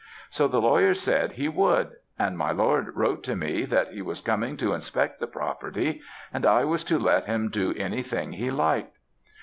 So the lawyer said, he would; and my lord wrote to me that he was coming to inspect the property, and I was to let him do any thing he liked.